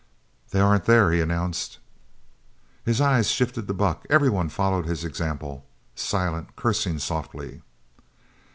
"They aren't there," he announced. His eyes shifted to Buck. Everyone followed his example, Silent cursing softly.